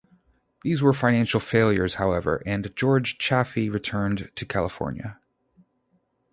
These were financial failures, however, and George Chaffey returned to California.